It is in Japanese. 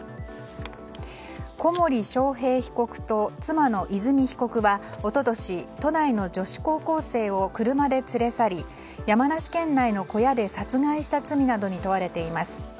小森章平被告と妻の和美被告は一昨年都内の女子高校生を車で連れ去り山梨県内の小屋で殺害した罪などに問われています。